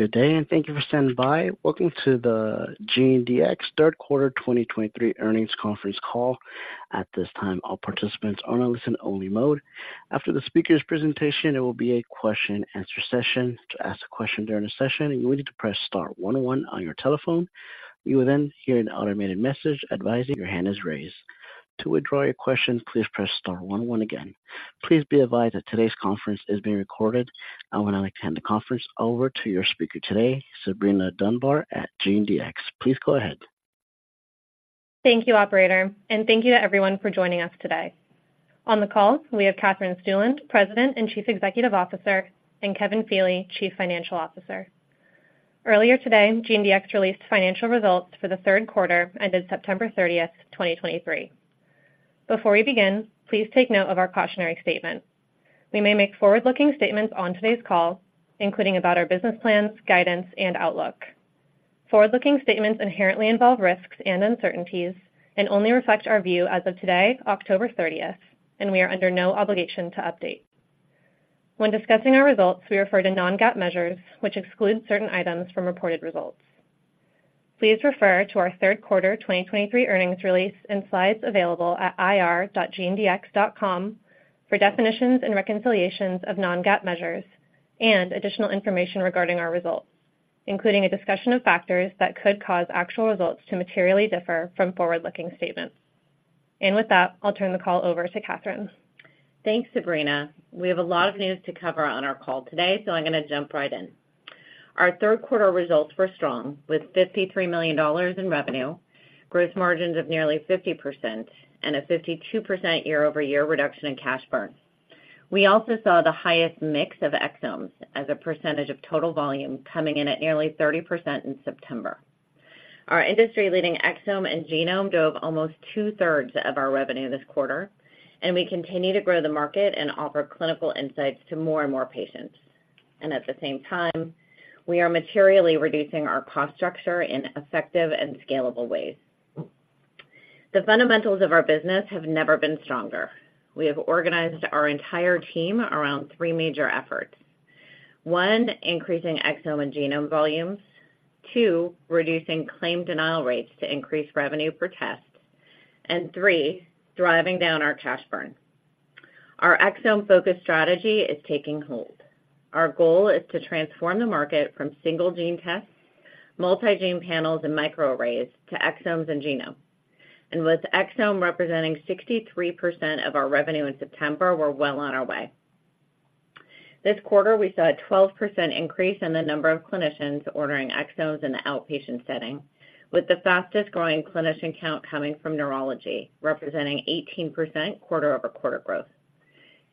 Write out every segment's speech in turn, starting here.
Good day, and thank you for standing by. Welcome to the GeneDx Third Quarter 2023 Earnings Conference Call. At this time, all participants are in a listen-only mode. After the speaker's presentation, there will be a question-and-answer session. To ask a question during the session, you will need to press star one zero one on your telephone. You will then hear an automated message advising your hand is raised. To withdraw your question, please press star one one again. Please be advised that today's conference is being recorded. I want to hand the conference over to your speaker today, Sabrina Dunbar, at GeneDx. Please go ahead. Thank you, Operator, and thank you to everyone for joining us today. On the call, we have Katherine Stueland, President and Chief Executive Officer, and Kevin Feeley, Chief Financial Officer. Earlier today, GeneDx released financial results for the third quarter, ended September 30th, 2023. Before we begin, please take note of our cautionary statement. We may make forward-looking statements on today's call, including about our business plans, guidance, and outlook. Forward-looking statements inherently involve risks and uncertainties and only reflect our view as of today, October 30th, and we are under no obligation to update. When discussing our results, we refer to non-GAAP measures, which exclude certain items from reported results. Please refer to our third quarter 2023 earnings release and slides available at ir.genedx.com for definitions and reconciliations of non-GAAP measures and additional information regarding our results, including a discussion of factors that could cause actual results to materially differ from forward-looking statements. With that, I'll turn the call over to Katherine. Thanks, Sabrina. We have a lot of news to cover on our call today, so I'm going to jump right in. Our third quarter results were strong, with $53 million in revenue, gross margins of nearly 50%, and a 52% year-over-year reduction in cash burn. We also saw the highest mix of exomes as a percentage of total volume coming in at nearly 30% in September. Our industry-leading exome and genome drove almost 2/3 of our revenue this quarter, and we continue to grow the market and offer clinical insights to more and more patients. And at the same time, we are materially reducing our cost structure in effective and scalable ways. The fundamentals of our business have never been stronger. We have organized our entire team around three major efforts. One, increasing exome and genome volumes, two, reducing claim denial rates to increase revenue per test, and three, driving down our cash burn. Our exome-focused strategy is taking hold. Our goal is to transform the market from single gene tests, multi-gene panels, and microarrays to exomes and genomes. And with exome representing 63% of our revenue in September, we're well on our way. This quarter, we saw a 12% increase in the number of clinicians ordering exomes in the outpatient setting, with the fastest-growing clinician count coming from neurology, representing 18% quarter-over-quarter growth.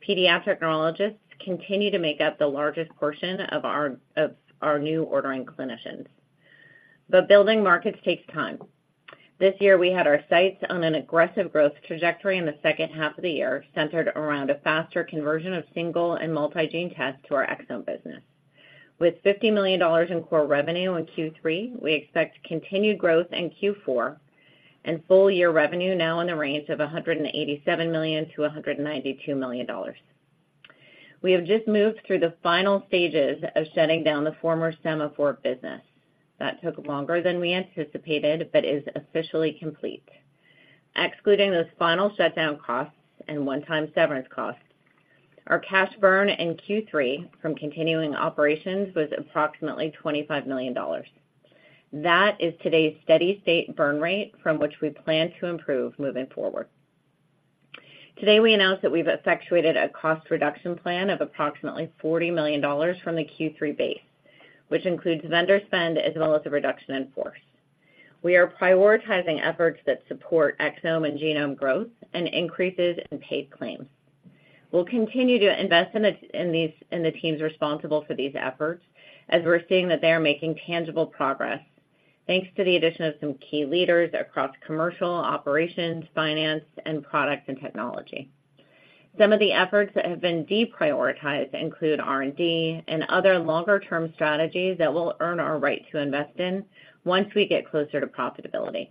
Pediatric neurologists continue to make up the largest portion of our new ordering clinicians. But building markets takes time. This year, we had our sights on an aggressive growth trajectory in the second half of the year, centered around a faster conversion of single and multi-gene tests to our exome business. With $50 million in core revenue in Q3, we expect continued growth in Q4 and full year revenue now in the range of $187 million-$192 million. We have just moved through the final stages of shutting down the former Sema4 business. That took longer than we anticipated, but is officially complete. Excluding those final shutdown costs and one-time severance costs, our cash burn in Q3 from continuing operations was approximately $25 million. That is today's steady state burn rate from which we plan to improve moving forward. Today, we announced that we've effectuated a cost reduction plan of approximately $40 million from the Q3 base, which includes vendor spend as well as a reduction in force. We are prioritizing efforts that support exome and genome growth and increases in paid claims. We'll continue to invest in the teams responsible for these efforts as we're seeing that they are making tangible progress, thanks to the addition of some key leaders across commercial, operations, finance, and product and technology. Some of the efforts that have been deprioritized include R&D and other longer-term strategies that we'll earn our right to invest in once we get closer to profitability.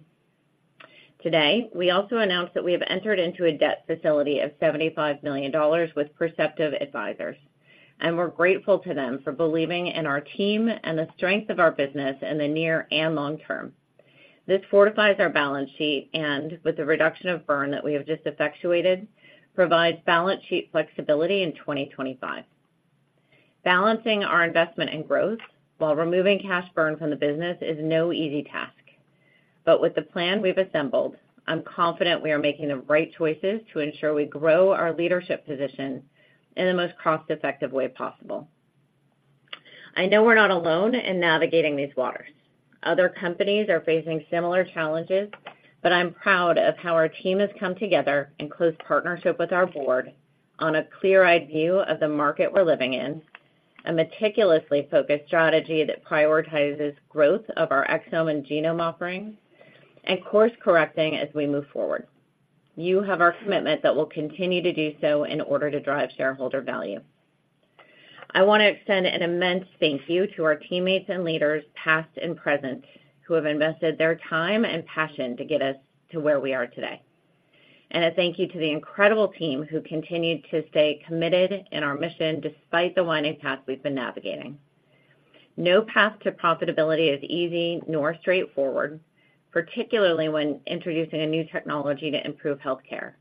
Today, we also announced that we have entered into a debt facility of $75 million with Perceptive Advisors, and we're grateful to them for believing in our team and the strength of our business in the near and long term. This fortifies our balance sheet and, with the reduction of burn that we have just effectuated, provides balance sheet flexibility in 2025. Balancing our investment in growth while removing cash burn from the business is no easy task, but with the plan we've assembled, I'm confident we are making the right choices to ensure we grow our leadership position in the most cost-effective way possible. I know we're not alone in navigating these waters. Other companies are facing similar challenges, but I'm proud of how our team has come together in close partnership with our board on a clear-eyed view of the market we're living in, a meticulously focused strategy that prioritizes growth of our exome and genome offerings, and course-correcting as we move forward. You have our commitment that we'll continue to do so in order to drive shareholder value. I want to extend an immense thank you to our teammates and leaders, past and present, who have invested their time and passion to get us to where we are today, and a thank you to the incredible team who continued to stay committed in our mission, despite the winding path we've been navigating. No path to profitability is easy nor straightforward, particularly when introducing a new technology to improve health care.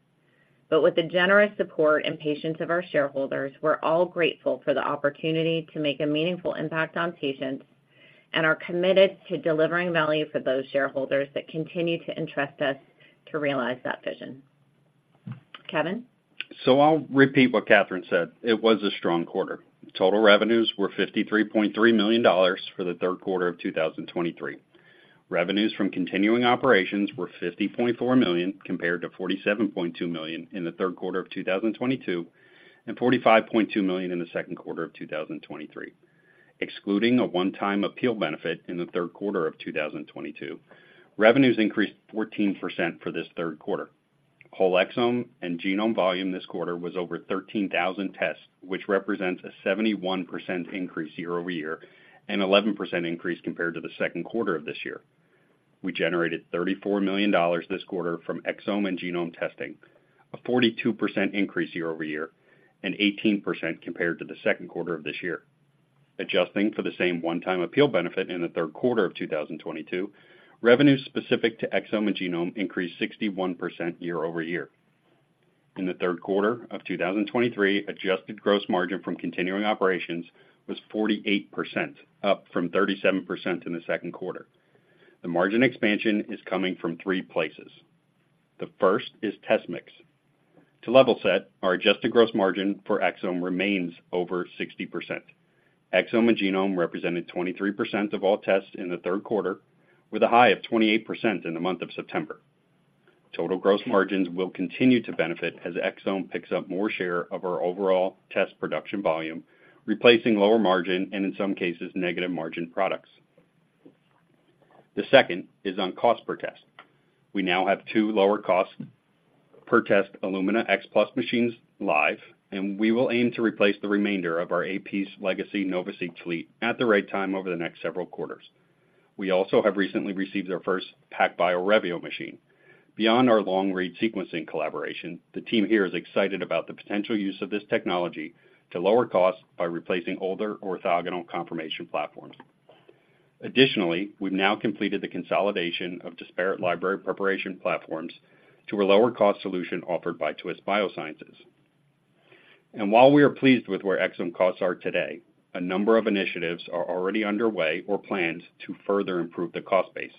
But with the generous support and patience of our shareholders, we're all grateful for the opportunity to make a meaningful impact on patients, and are committed to delivering value for those shareholders that continue to entrust us to realize that vision. Kevin? So I'll repeat what Katherine said: It was a strong quarter. Total revenues were $53.3 million for the third quarter of 2023. Revenues from continuing operations were $50.4 million, compared to $47.2 million in the third quarter of 2022, and $45.2 million in the second quarter of 2023. Excluding a one-time appeal benefit in the third quarter of 2022, revenues increased 14% for this third quarter. Whole exome and genome volume this quarter was over 13,000 tests, which represents a 71% increase year-over-year, and 11% increase compared to the second quarter of this year. We generated $34 million this quarter from exome and genome testing, a 42% increase year-over-year, and 18% compared to the second quarter of this year. Adjusting for the same one-time appeal benefit in the third quarter of 2022, revenues specific to exome and genome increased 61% year-over-year. In the third quarter of 2023, adjusted gross margin from continuing operations was 48%, up from 37% in the second quarter. The margin expansion is coming from 3 places. The first is test mix. To level set, our adjusted gross margin for exome remains over 60%. exome and genome represented 23% of all tests in the third quarter, with a high of 28% in the month of September. Total gross margins will continue to benefit as exome picks up more share of our overall test production volume, replacing lower margin, and in some cases, negative margin products. The second is on cost per test. We now have two lower cost per test, Illumina X Plus machines live, and we will aim to replace the remainder of our Sema4's legacy NovaSeq fleet at the right time over the next several quarters. We also have recently received our first PacBio Revio machine. Beyond our long-read sequencing collaboration, the team here is excited about the potential use of this technology to lower costs by replacing older orthogonal confirmation platforms. Additionally, we've now completed the consolidation of disparate library preparation platforms to a lower-cost solution offered by Twist Bioscience. While we are pleased with where exome costs are today, a number of initiatives are already underway or planned to further improve the cost base.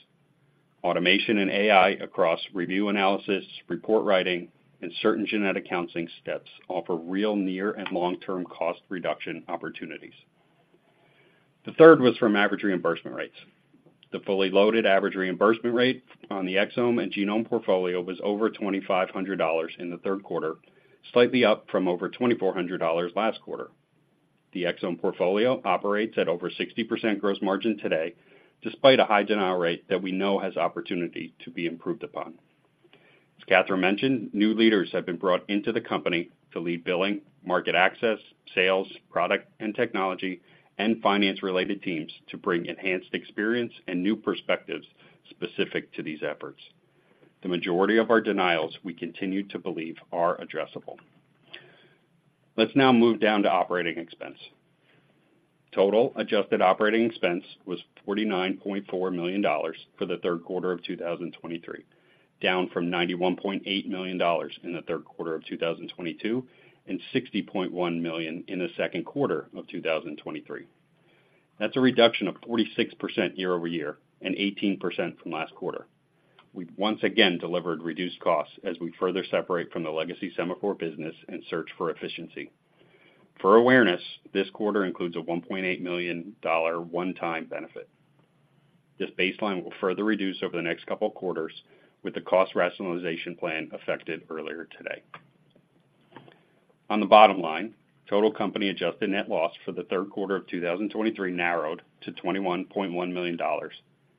Automation and AI across review analysis, report writing, and certain genetic counseling steps offer real, near, and long-term cost reduction opportunities. The third was from average reimbursement rates. The fully loaded average reimbursement rate on the exome and genome portfolio was over $2,500 in the third quarter, slightly up from over $2,400 last quarter. The exome portfolio operates at over 60% gross margin today, despite a high denial rate that we know has opportunity to be improved upon. As Katherine mentioned, new leaders have been brought into the company to lead billing, market access, sales, product and technology, and finance-related teams to bring enhanced experience and new perspectives specific to these efforts. The majority of our denials, we continue to believe, are addressable. Let's now move down to operating expense. Total adjusted operating expense was $49.4 million for the third quarter of 2023, down from $91.8 million in the third quarter of 2022, and $60.1 million in the second quarter of 2023. That's a reduction of 46% year-over-year, and 18% from last quarter. We've once again delivered reduced costs as we further separate from the legacy Sema4 business and search for efficiency. For awareness, this quarter includes a $1.8 million one-time benefit. This baseline will further reduce over the next couple of quarters with the cost rationalization plan affected earlier today. On the bottom line, total company adjusted net loss for the third quarter of 2023 narrowed to $21.1 million,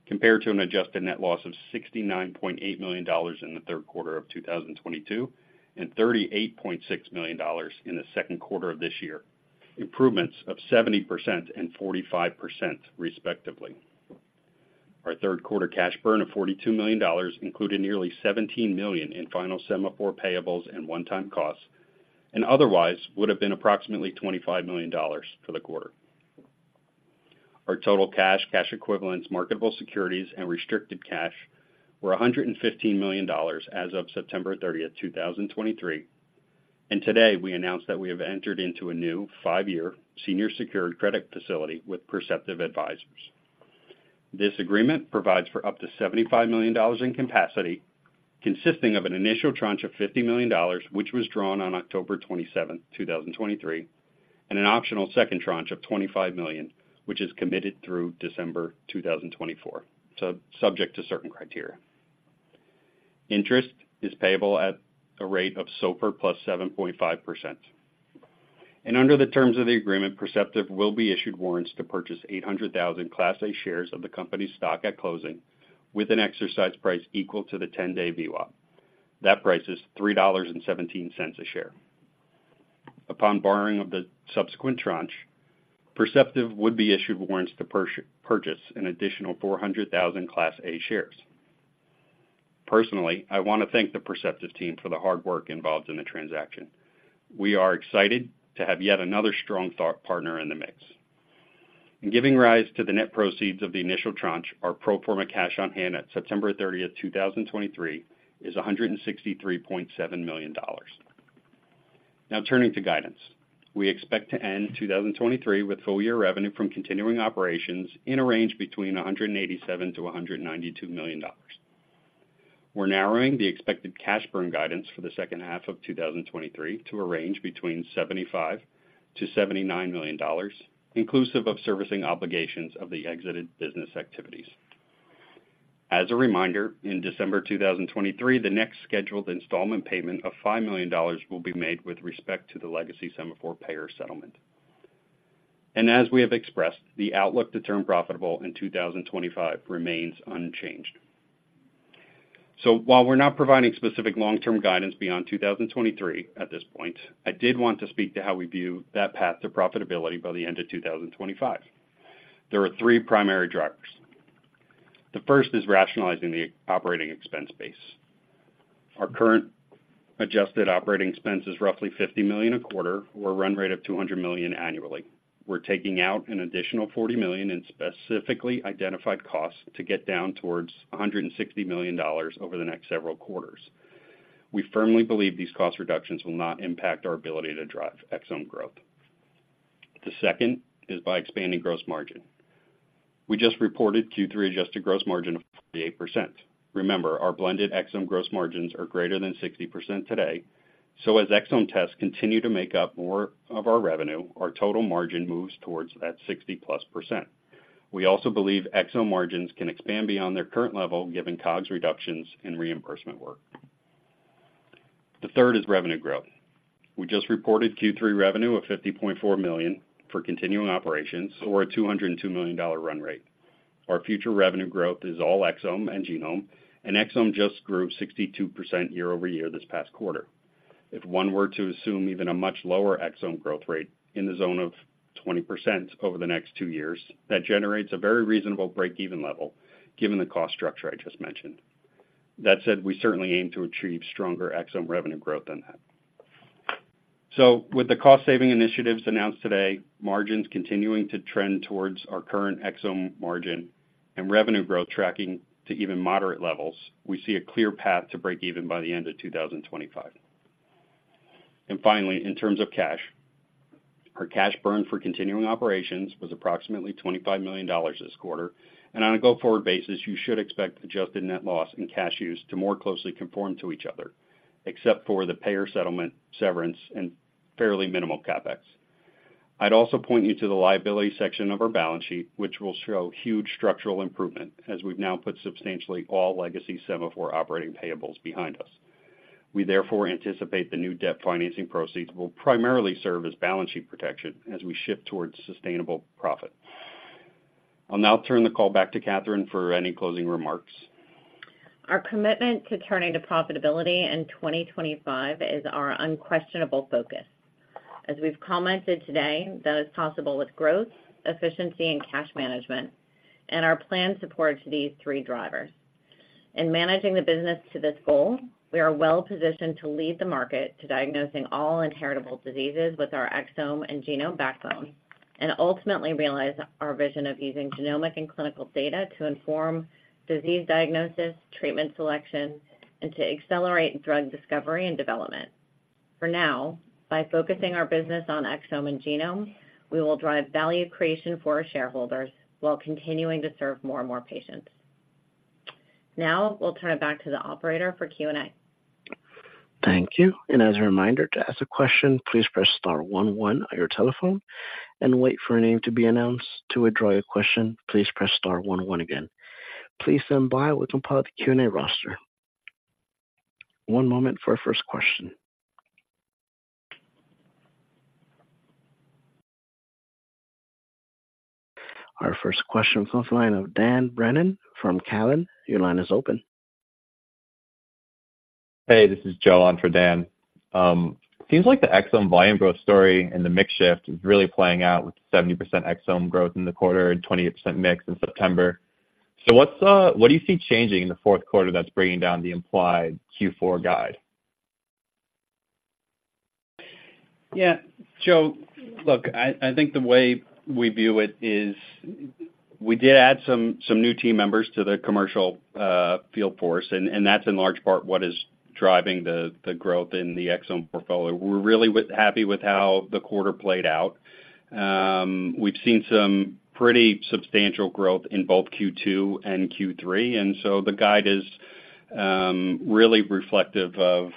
compared to an adjusted net loss of $69.8 million in the third quarter of 2022, and $38.6 million in the second quarter of this year, improvements of 70% and 45%, respectively. Our third quarter cash burn of $42 million included nearly $17 million in final Sema4 payables and one-time costs, and otherwise, would have been approximately $25 million for the quarter. Our total cash, cash equivalents, marketable securities, and restricted cash were $115 million as of September 30th, 2023, and today we announced that we have entered into a new five-year senior secured credit facility with Perceptive Advisors. This agreement provides for up to $75 million in capacity, consisting of an initial tranche of $50 million, which was drawn on October 27, 2023, and an optional second tranche of $25 million, which is committed through December 2024, so subject to certain criteria. Interest is payable at a rate of SOFR +7.5%. And under the terms of the agreement, Perceptive will be issued warrants to purchase 800,000 Class A shares of the company's stock at closing, with an exercise price equal to the 10-day VWAP. That price is $3.17 a share. Upon borrowing of the subsequent tranche, Perceptive would be issued warrants to purchase an additional 400,000 Class A shares. Personally, I want to thank the Perceptive team for the hard work involved in the transaction. We are excited to have yet another strong thought partner in the mix. In giving rise to the net proceeds of the initial tranche, our pro forma cash on hand at September 30, 2023, is $163.7 million. Now, turning to guidance. We expect to end 2023 with full year revenue from continuing operations in a range between $187 million-$192 million. We're narrowing the expected cash burn guidance for the second half of 2023 to a range between $75 million-$79 million, inclusive of servicing obligations of the exited business activities. As a reminder, in December 2023, the next scheduled installment payment of $5 million will be made with respect to the legacy Sema4 payer settlement. As we have expressed, the outlook to turn profitable in 2025 remains unchanged. While we're not providing specific long-term guidance beyond 2023 at this point, I did want to speak to how we view that path to profitability by the end of 2025. There are three primary drivers. The first is rationalizing the operating expense base. Our current adjusted operating expense is roughly $50 million a quarter, or a run rate of $200 million annually. We're taking out an additional $40 million in specifically identified costs to get down towards $160 million over the next several quarters. We firmly believe these cost reductions will not impact our ability to drive exome growth. The second is by expanding gross margin. We just reported Q3 adjusted gross margin of 48%. Remember, our blended exome gross margins are greater than 60% today, so as exome tests continue to make up more of our revenue, our total margin moves towards that 60%+. We also believe exome margins can expand beyond their current level, given COGS reductions and reimbursement work. The third is revenue growth. We just reported Q3 revenue of $50.4 million for continuing operations or a $202 million dollar run rate. Our future revenue growth is all exome and genome, and exome just grew 62% year-over-year this past quarter. If one were to assume even a much lower exome growth rate in the zone of 20% over the next two years, that generates a very reasonable break-even level given the cost structure I just mentioned. That said, we certainly aim to achieve stronger exome revenue growth than that. So with the cost-saving initiatives announced today, margins continuing to trend towards our current exome margin and revenue growth tracking to even moderate levels, we see a clear path to break even by the end of 2025. And finally, in terms of cash, our cash burn for continuing operations was approximately $25 million this quarter, and on a go-forward basis, you should expect adjusted net loss and cash use to more closely conform to each other, except for the payer settlement, severance, and fairly minimal CapEx. I'd also point you to the liability section of our balance sheet, which will show huge structural improvement as we've now put substantially all legacy Sema4 operating payables behind us. We therefore anticipate the new debt financing proceeds will primarily serve as balance sheet protection as we shift towards sustainable profit. I'll now turn the call back to Katherine for any closing remarks. Our commitment to turning to profitability in 2025 is our unquestionable focus. As we've commented today, that is possible with growth, efficiency and cash management, and our plan supports these three drivers. In managing the business to this goal, we are well positioned to lead the market to diagnosing all inheritable diseases with our exome and genome backbone, and ultimately realize our vision of using genomic and clinical data to inform disease diagnosis, treatment selection, and to accelerate drug discovery and development. For now, by focusing our business on exome and genome, we will drive value creation for our shareholders while continuing to serve more and more patients. Now, we'll turn it back to the operator for Q&A. Thank you. And as a reminder, to ask a question, please press star one one on your telephone and wait for your name to be announced. To withdraw your question, please press star one one again. Please stand by we compile the Q&A roster. One moment for our first question. Our first question comes from the line of Dan Brennan from Cowen. Your line is open. Hey, this is Joe on for Dan. Seems like the exome volume growth story and the mix shift is really playing out with 70% exome growth in the quarter and 28% mix in September. So what's, what do you see changing in the fourth quarter that's bringing down the implied Q4 guide? Yeah, Joe, look, I think the way we view it is we did add some new team members to the commercial field force, and that's in large part what is driving the growth in the exome portfolio. We're really happy with how the quarter played out. We've seen some pretty substantial growth in both Q2 and Q3, and so the guide is really reflective of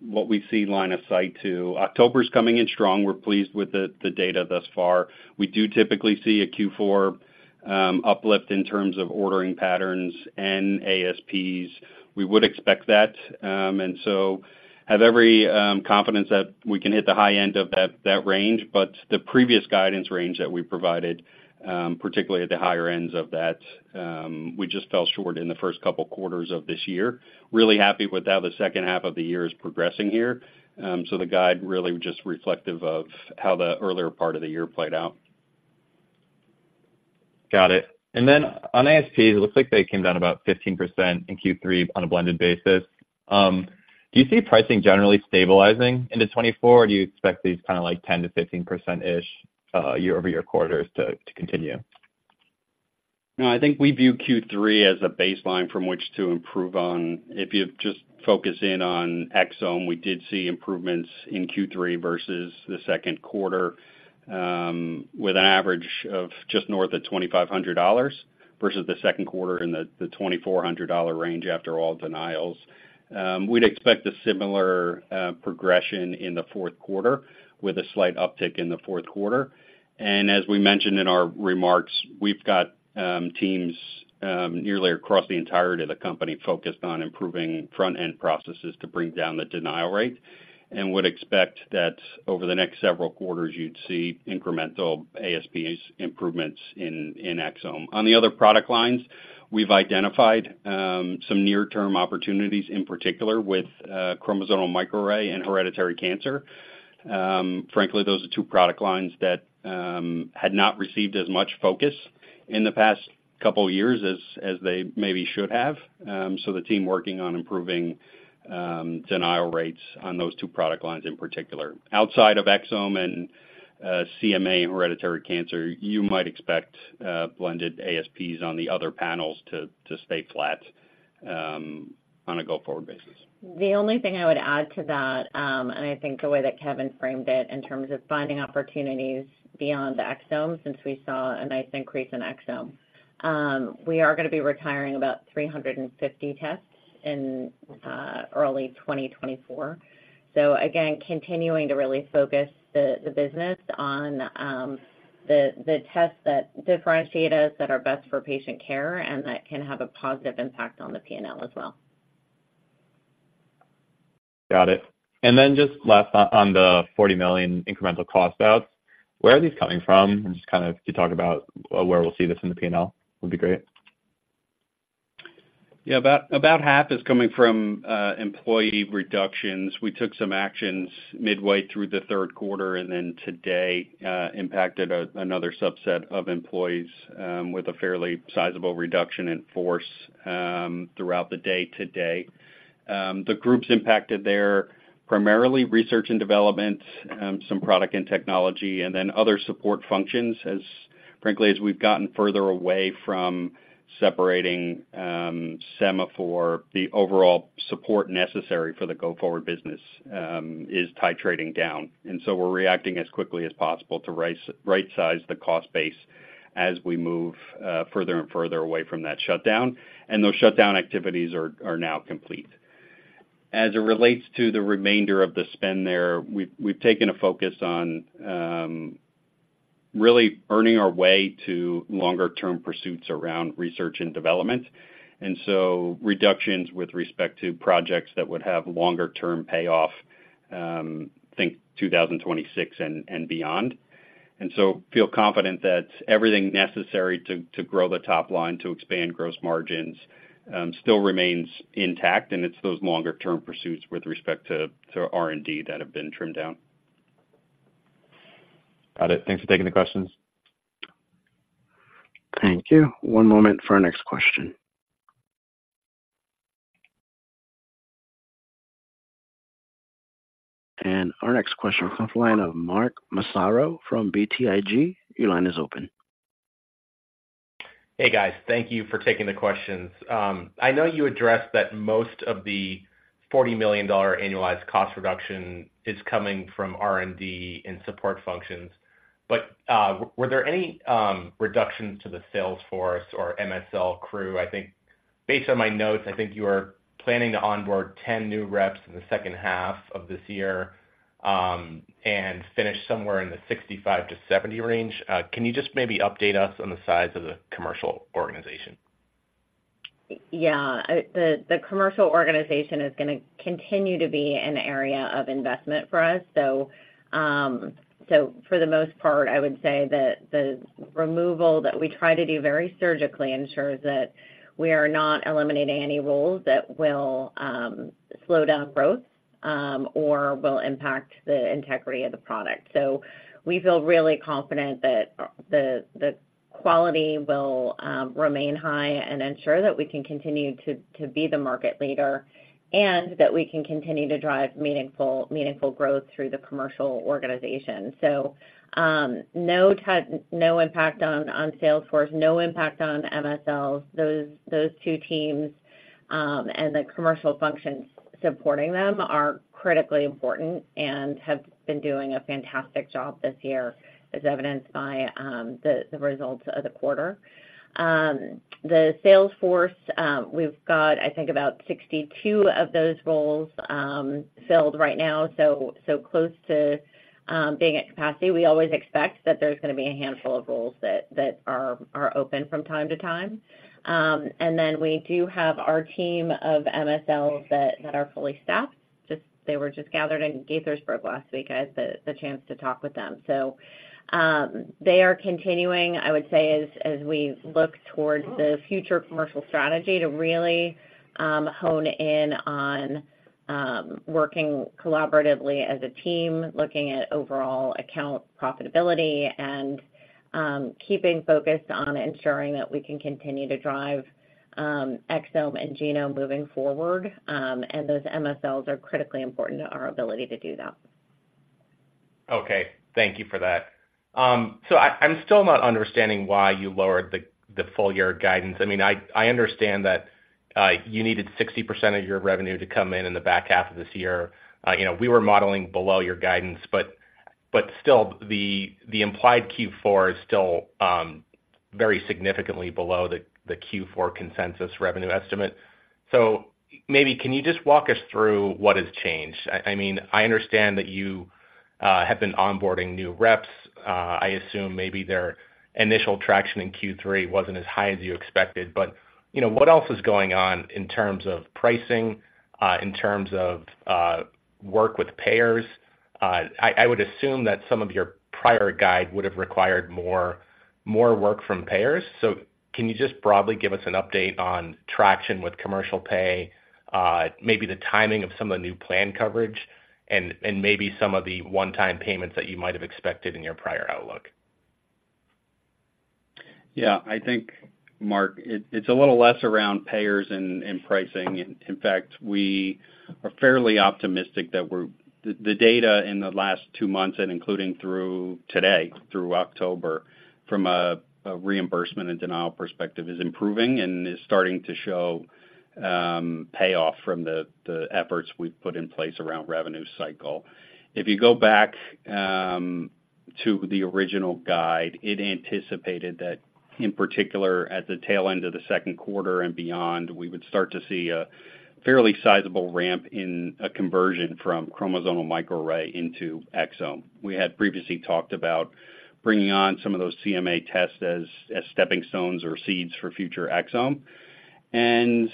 what we see line of sight to. October's coming in strong. We're pleased with the data thus far. We do typically see a Q4 uplift in terms of ordering patterns and ASPs. We would expect that, and so have every confidence that we can hit the high end of that range. But the previous guidance range that we provided, particularly at the higher ends of that, we just fell short in the first couple quarters of this year. Really happy with how the second half of the year is progressing here. So the guide really just reflective of how the earlier part of the year played out. Got it. And then on ASPs, it looks like they came down about 15% in Q3 on a blended basis. Do you see pricing generally stabilizing into 2024, or do you expect these kind of like 10%-15% ish year-over-year quarters to continue? No, I think we view Q3 as a baseline from which to improve on. If you just focus in on exome, we did see improvements in Q3 versus the second quarter, with an average of just north of $2,500, versus the second quarter in the $2,400 range after all denials. We'd expect a similar progression in the fourth quarter, with a slight uptick in the fourth quarter. As we mentioned in our remarks, we've got teams nearly across the entirety of the company focused on improving front-end processes to bring down the denial rate, and would expect that over the next several quarters, you'd see incremental ASPs improvements in exome. On the other product lines, we've identified some near-term opportunities, in particular with chromosomal microarray and hereditary cancer. Frankly, those are two product lines that had not received as much focus in the past couple of years as they maybe should have. So the team working on improving denial rates on those two product lines in particular. Outside of exome and CMA and hereditary cancer, you might expect blended ASPs on the other panels to stay flat on a go-forward basis. The only thing I would add to that, and I think the way that Kevin framed it, in terms of finding opportunities beyond the exome, since we saw a nice increase in exome. We are gonna be retiring about 350 tests in early 2024. So again, continuing to really focus the business on the tests that differentiate us, that are best for patient care, and that can have a positive impact on the P&L as well. Got it. And then just last, on the $40 million incremental cost out, where are these coming from? Just kind of to talk about where we'll see this in the P&L would be great. Yeah, about half is coming from employee reductions. We took some actions midway through the third quarter, and then today impacted another subset of employees with a fairly sizable reduction in force throughout the day today. The groups impacted there, primarily research and development, some product and technology, and then other support functions, as frankly, as we've gotten further away from separating Sema4, the overall support necessary for the go-forward business is titrating down. And so we're reacting as quickly as possible to rightsize the cost base as we move further and further away from that shutdown, and those shutdown activities are now complete. As it relates to the remainder of the spend there, we've taken a focus on really earning our way to longer-term pursuits around research and development, and so reductions with respect to projects that would have longer-term payoff, think 2026 and beyond. And so feel confident that everything necessary to grow the top line, to expand gross margins, still remains intact, and it's those longer-term pursuits with respect to R&D that have been trimmed down. Got it. Thanks for taking the questions. Thank you. One moment for our next question. Our next question comes from the line of Mark Massaro from BTIG. Your line is open. Hey, guys. Thank you for taking the questions. I know you addressed that most of the $40 million annualized cost reduction is coming from R&D and support functions, but were there any reductions to the sales force or MSL crew? I think, based on my notes, I think you are planning to onboard 10 new reps in the second half of this year, and finish somewhere in the 65-70 range. Can you just maybe update us on the size of the commercial organization? Yeah. The commercial organization is gonna continue to be an area of investment for us. So, for the most part, I would say that the removal that we try to do very surgically ensures that we are not eliminating any roles that will slow down growth, or will impact the integrity of the product. So we feel really confident that the quality will remain high and ensure that we can continue to be the market leader, and that we can continue to drive meaningful growth through the commercial organization. So, no impact on sales force, no impact on MSLs. Those two teams, and the commercial functions supporting them are critically important and have been doing a fantastic job this year, as evidenced by the results of the quarter. The sales force, we've got, I think, about 62 of those roles filled right now, so close to being at capacity. We always expect that there's gonna be a handful of roles that are open from time to time. And then we do have our team of MSLs that are fully staffed. Just, they were just gathered in Gaithersburg last week. I had the chance to talk with them. So, they are continuing, I would say, as we look towards the future commercial strategy, to really hone in on working collaboratively as a team, looking at overall account profitability and, keeping focused on ensuring that we can continue to drive exome and genome moving forward. And those MSLs are critically important to our ability to do that. Okay, thank you for that. So I'm still not understanding why you lowered the full year guidance. I mean, I understand that you needed 60% of your revenue to come in in the back half of this year. You know, we were modeling below your guidance, but still, the implied Q4 is still very significantly below the Q4 consensus revenue estimate. So maybe can you just walk us through what has changed? I mean, I understand that you have been onboarding new reps. I assume maybe their initial traction in Q3 wasn't as high as you expected, but you know, what else is going on in terms of pricing, in terms of work with payers? I would assume that some of your prior guide would have required more work from payers. Can you just broadly give us an update on traction with commercial pay, maybe the timing of some of the new plan coverage, and maybe some of the one-time payments that you might have expected in your prior outlook? Yeah. I think, Mark, it, it's a little less around payers and, and pricing. In, in fact, we are fairly optimistic that we're, the data in the last two months and including through today, through October, from a, a reimbursement and denial perspective, is improving and is starting to show payoff from the, the efforts we've put in place around revenue cycle. If you go back to the original guide, it anticipated that, in particular, at the tail end of the second quarter and beyond, we would start to see a fairly sizable ramp in a conversion from Chromosomal Microarray into exome. We had previously talked about bringing on some of those CMA tests as, as stepping stones or seeds for future exome. And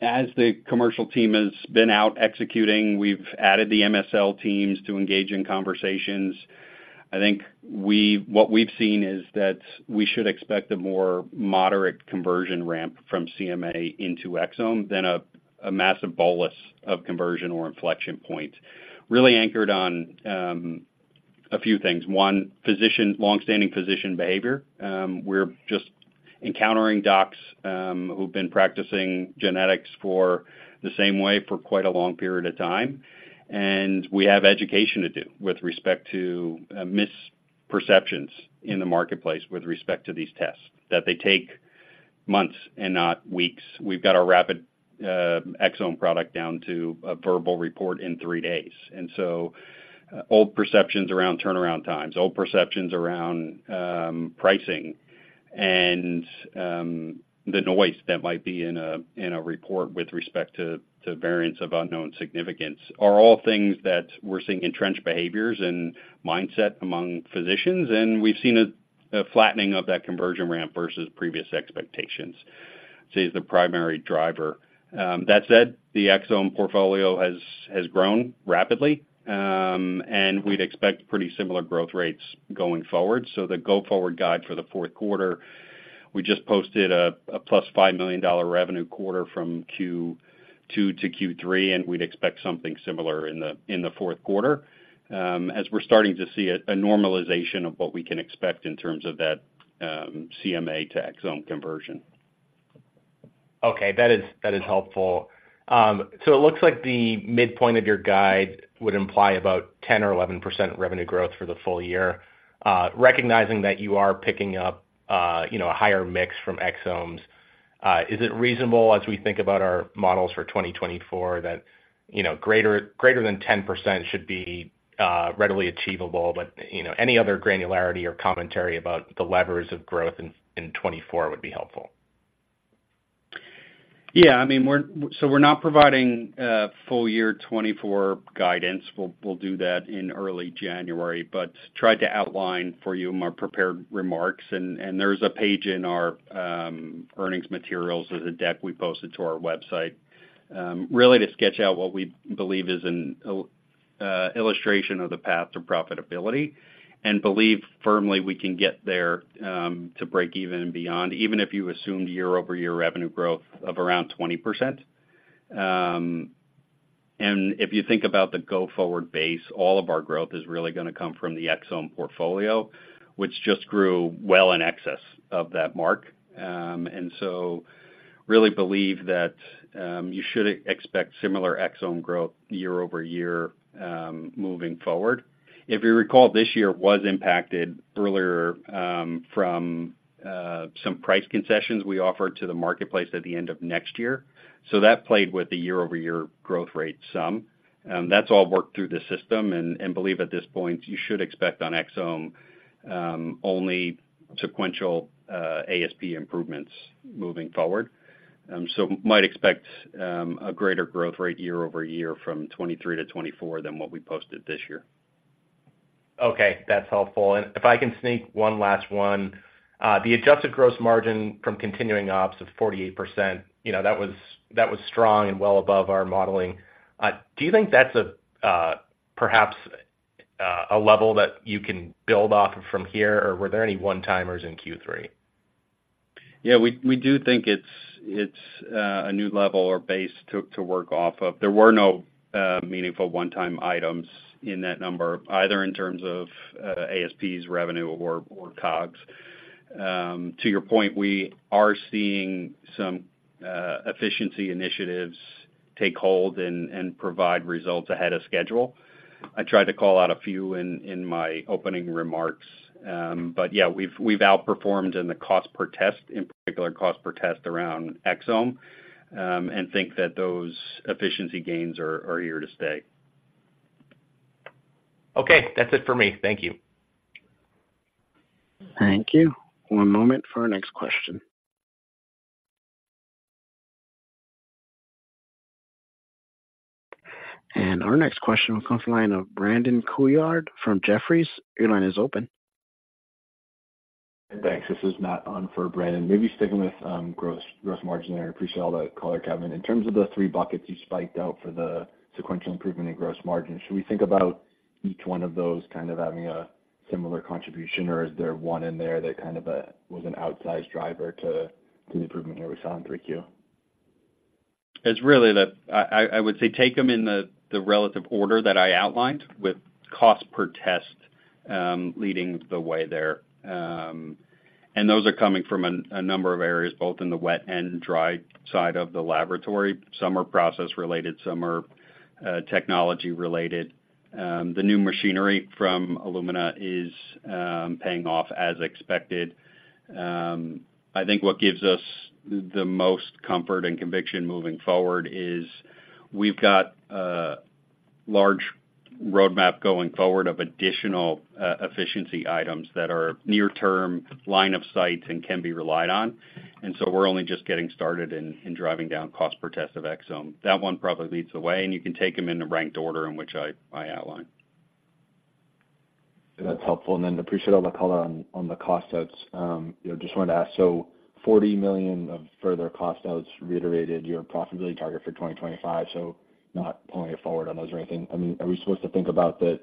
as the commercial team has been out executing, we've added the MSL teams to engage in conversations. I think what we've seen is that we should expect a more moderate conversion ramp from CMA into exome than a massive bolus of conversion or inflection point, really anchored on a few things. One, physician long-standing physician behavior. We're just encountering docs who've been practicing genetics for the same way for quite a long period of time, and we have education to do with respect to misperceptions in the marketplace with respect to these tests, that they take months and not weeks. We've got our rapid exome product down to a verbal report in three days. Old perceptions around turnaround times, old perceptions around pricing and the noise that might be in a report with respect to variants of unknown significance are all things that we're seeing entrenched behaviors and mindset among physicians, and we've seen a flattening of that conversion ramp versus previous expectations. See as the primary driver. That said, the exome portfolio has grown rapidly, and we'd expect pretty similar growth rates going forward. The go-forward guide for the fourth quarter, we just posted a +$5 million revenue quarter from Q2 to Q3, and we'd expect something similar in the fourth quarter as we're starting to see a normalization of what we can expect in terms of that CMA to exome conversion. Okay. That is, that is helpful. So it looks like the midpoint of your guide would imply about 10% or 11% revenue growth for the full year. Recognizing that you are picking up, you know, a higher mix from exomes, is it reasonable as we think about our models for 2024, that, you know, greater, greater than 10% should be readily achievable? But, you know, any other granularity or commentary about the levers of growth in 2024 would be helpful. Yeah, I mean, so we're not providing a full year 2024 guidance. We'll do that in early January, but tried to outline for you in my prepared remarks, and there's a page in our earnings materials. There's a deck we posted to our website, really to sketch out what we believe is an illustration of the path to profitability, and believe firmly we can get there, to break even and beyond, even if you assumed year-over-year revenue growth of around 20%. And if you think about the go-forward base, all of our growth is really gonna come from the exome portfolio, which just grew well in excess of that mark. And so really believe that you should expect similar exome growth year-over-year, moving forward. If you recall, this year was impacted earlier, from some price concessions we offered to the marketplace at the end of next year, so that played with the year-over-year growth rate some. That's all worked through the system, and believe at this point, you should expect on exome only sequential ASP improvements moving forward. So might expect a greater growth rate year-over-year from 2023 to 2024 than what we posted this year. Okay, that's helpful. And if I can sneak one last one. The adjusted gross margin from continuing ops of 48%, you know, that was, that was strong and well above our modeling. Do you think that's a, perhaps, a level that you can build off of from here, or were there any one-timers in Q3? Yeah, we do think it's a new level or base to work off of. There were no meaningful one-time items in that number, either in terms of ASPs, revenue, or COGS. To your point, we are seeing some efficiency initiatives take hold and provide results ahead of schedule. I tried to call out a few in my opening remarks. But yeah, we've outperformed in the cost per test, in particular, cost per test around exome, and think that those efficiency gains are here to stay. Okay. That's it for me. Thank you. Thank you. One moment for our next question. Our next question will come from the line of Brandon Couillard from Jefferies. Your line is open. Thanks. This is Matt on for Brandon. Maybe sticking with gross margin there. I appreciate all the color, Kevin. In terms of the three buckets you broke out for the sequential improvement in gross margin, should we think about each one of those kind of having a similar contribution, or is there one in there that kind of was an outsized driver to the improvement here we saw in 3Q? It's really that I would say take them in the relative order that I outlined, with cost per test leading the way there. And those are coming from a number of areas, both in the wet and dry side of the laboratory. Some are process related, some are technology related. The new machinery from Illumina is paying off as expected. I think what gives us the most comfort and conviction moving forward is we've got a large roadmap going forward of additional efficiency items that are near term line of sight and can be relied on. And so we're only just getting started in driving down cost per test of exome. That one probably leads the way, and you can take them in the ranked order in which I outlined. That's helpful, and then appreciate all the color on, on the cost outs. You know, just wanted to ask, so $40 million of further cost outs reiterated your profitability target for 2025, so not pulling it forward on those or anything. I mean, are we supposed to think about that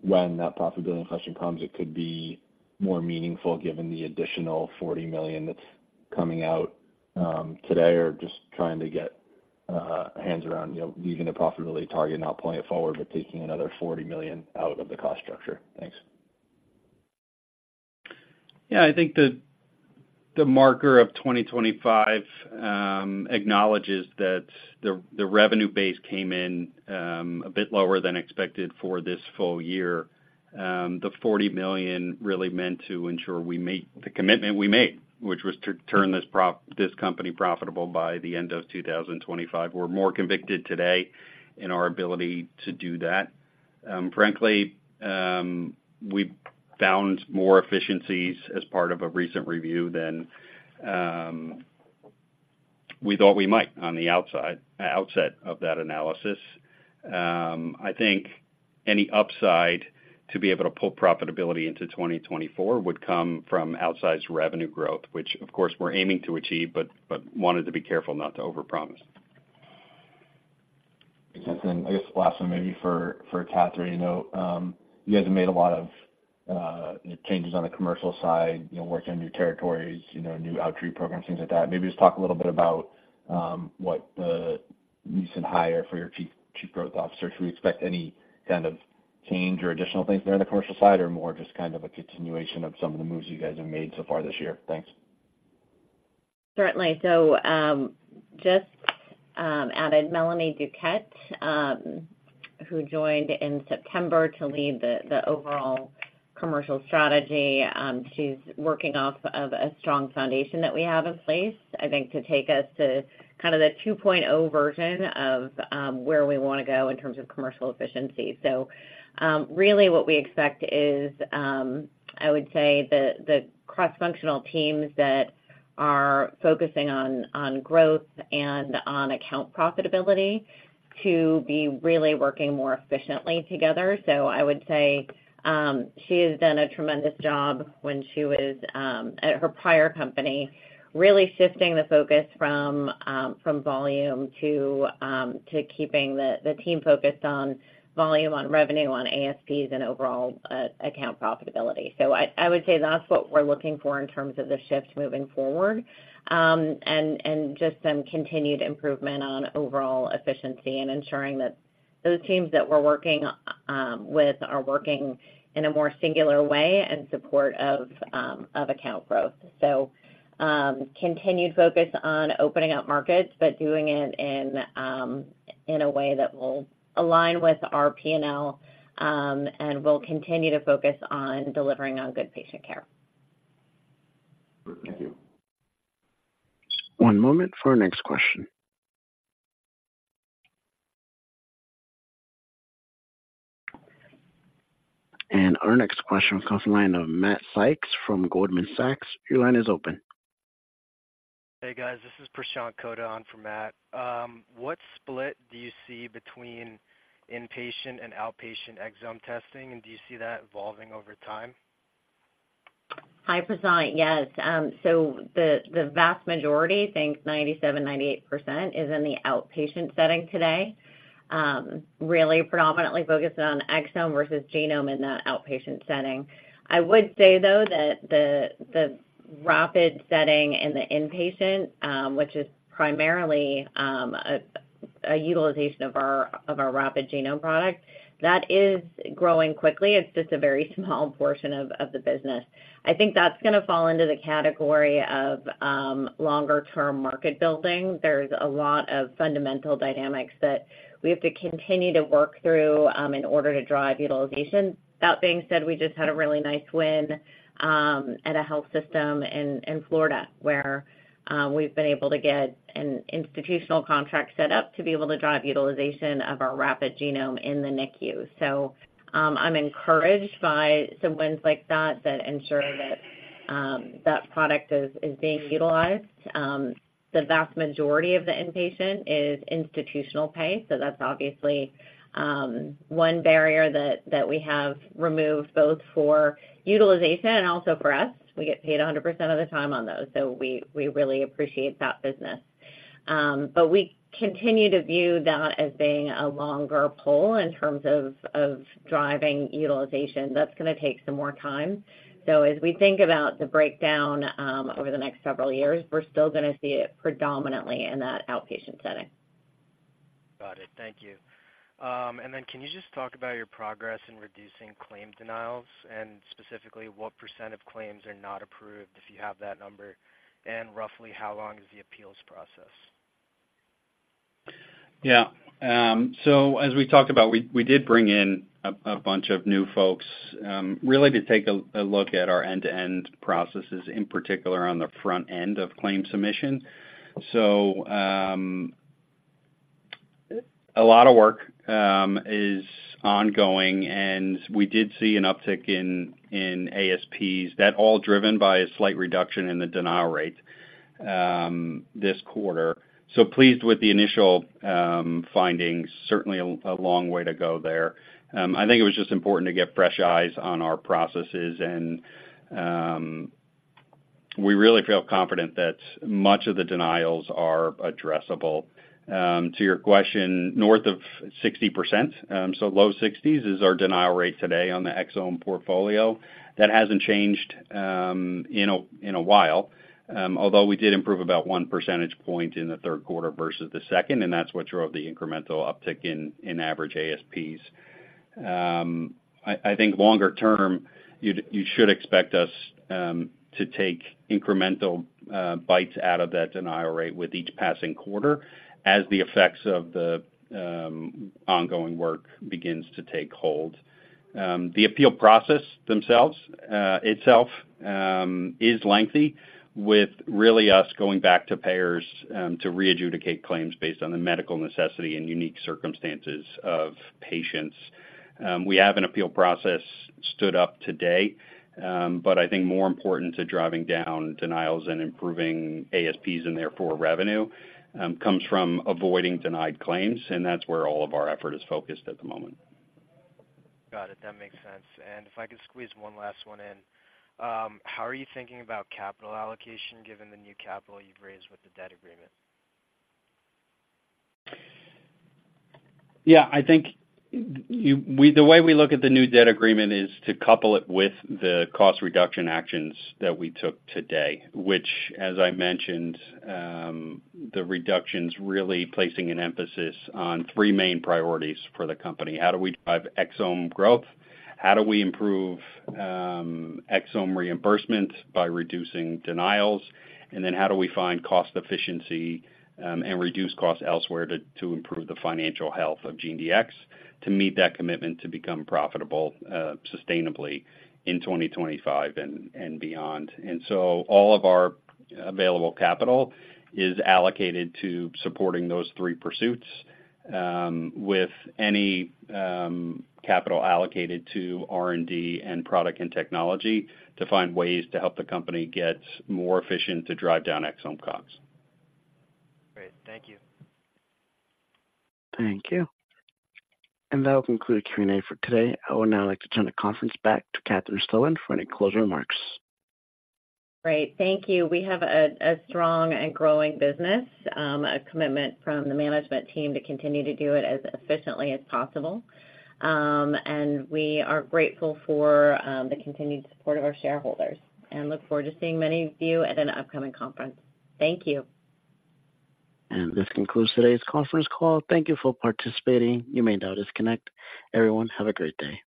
when that profitability question comes, it could be more meaningful given the additional $40 million that's coming out, today? Or just trying to get, our hands around, you know, leaving the profitability target, not pulling it forward, but taking another $40 million out of the cost structure. Thanks. Yeah, I think the marker of 2025 acknowledges that the revenue base came in a bit lower than expected for this full year. The $40 million really meant to ensure we meet the commitment we made, which was to turn this company profitable by the end of 2025. We're more convicted today in our ability to do that. Frankly, we found more efficiencies as part of a recent review than we thought we might on the outset of that analysis. I think any upside to be able to pull profitability into 2024 would come from outsized revenue growth, which, of course, we're aiming to achieve, but wanted to be careful not to overpromise. Just then, I guess the last one maybe for Katherine. You know, you guys have made a lot of changes on the commercial side, you know, working on new territories, you know, new outreach programs, things like that. Maybe just talk a little bit about what the recent hire for your Chief Growth Officer. Should we expect any kind of change or additional things there on the commercial side, or more just kind of a continuation of some of the moves you guys have made so far this year? Thanks. Certainly. So, just added Melanie Duquette, who joined in September to lead the overall commercial strategy. She's working off of a strong foundation that we have in place, I think, to take us to kind of the 2.0 version of where we want to go in terms of commercial efficiency. So, really what we expect is, I would say the cross-functional teams that are focusing on growth and on account profitability to be really working more efficiently together. So I would say, she has done a tremendous job when she was at her prior company, really shifting the focus from volume to keeping the team focused on volume, on revenue, on ASPs and overall account profitability. So I would say that's what we're looking for in terms of the shifts moving forward. And just some continued improvement on overall efficiency and ensuring that those teams that we're working with are working in a more singular way in support of of account growth. So continued focus on opening up markets, but doing it in a way that will align with our P&L, and we'll continue to focus on delivering on good patient care. Thank you. One moment for our next question. And our next question comes from the line of Matt Sykes from Goldman Sachs. Your line is open. Hey, guys, this is Prashant Kota on for Matt. What split do you see between inpatient and outpatient exome testing, and do you see that evolving over time? Hi, Prashant. Yes. So the vast majority, I think 97%-98%, is in the outpatient setting today. Really predominantly focused on exome versus genome in that outpatient setting. I would say, though, that the rapid setting in the inpatient, which is primarily a utilization of our rapid genome product. That is growing quickly. It's just a very small portion of the business. I think that's going to fall into the category of longer-term market building. There's a lot of fundamental dynamics that we have to continue to work through in order to drive utilization. That being said, we just had a really nice win at a health system in Florida, where we've been able to get an institutional contract set up to be able to drive utilization of our rapid genome in the NICU. So, I'm encouraged by some wins like that that ensure that product is being utilized. The vast majority of the inpatient is institutional pay, so that's obviously one barrier that we have removed, both for utilization and also for us. We get paid 100% of the time on those, so we really appreciate that business. But we continue to view that as being a longer pull in terms of driving utilization. That's going to take some more time. So as we think about the breakdown over the next several years, we're still going to see it predominantly in that outpatient setting. Got it. Thank you. And then can you just talk about your progress in reducing claim denials? And specifically, what percent of claims are not approved, if you have that number, and roughly how long is the appeals process? Yeah. As we talked about, we did bring in a bunch of new folks, really, to take a look at our end-to-end processes, in particular, on the front end of claim submission. A lot of work is ongoing, and we did see an uptick in ASPs, that all driven by a slight reduction in the denial rate this quarter. Pleased with the initial findings. Certainly a long way to go there. I think it was just important to get fresh eyes on our processes, and we really feel confident that much of the denials are addressable. To your question, north of 60%, so low 60s is our denial rate today on the exome portfolio. That hasn't changed, in a while, although we did improve about 1 percentage point in the third quarter versus the second, and that's what drove the incremental uptick in average ASPs. I think longer term, you'd, you should expect us to take incremental bites out of that denial rate with each passing quarter as the effects of the ongoing work begins to take hold. The appeal process themselves, itself, is lengthy, with really us going back to payers to readjudicate claims based on the medical necessity and unique circumstances of patients. We have an appeal process stood up today, but I think more important to driving down denials and improving ASPs, and therefore, revenue, comes from avoiding denied claims, and that's where all of our effort is focused at the moment. Got it. That makes sense. If I could squeeze one last one in, how are you thinking about capital allocation, given the new capital you've raised with the debt agreement? Yeah, I think the way we look at the new debt agreement is to couple it with the cost reduction actions that we took today, which, as I mentioned, the reductions really placing an emphasis on three main priorities for the company. How do we drive exome growth? How do we improve exome reimbursement by reducing denials? And then how do we find cost efficiency, and reduce costs elsewhere to, to improve the financial health of GeneDx, to meet that commitment to become profitable, sustainably in 2025 and, and beyond? And so all of our available capital is allocated to supporting those three pursuits, with any capital allocated to R&D and product and technology, to find ways to help the company get more efficient to drive down exome costs. Great. Thank you. Thank you. And that will conclude Q&A for today. I would now like to turn the conference back to Katherine Stueland for any closing remarks. Great. Thank you. We have a strong and growing business, a commitment from the management team to continue to do it as efficiently as possible. And we are grateful for the continued support of our shareholders and look forward to seeing many of you at an upcoming conference. Thank you. This concludes today's conference call. Thank you for participating. You may now disconnect. Everyone, have a great day.